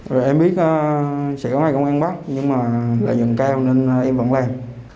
rồi em biết sẽ có hai công an bắt nhưng mà lợi nhuận cao nên em vẫn làm